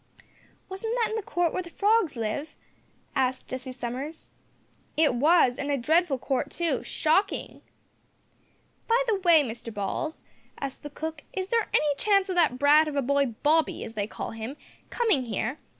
"Was that in the court where the Frogs live?" asked Jessie Summers. "It was, and a dreadful court too shocking!" "By the way, Mr Balls," asked the cook, "is there any chance o' that brat of a boy Bobby, as they call him, coming here?